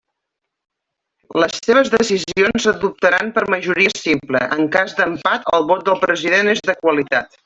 Les seves decisions s'adoptaran per majoria simple, en cas d'empat el vot del President és de qualitat.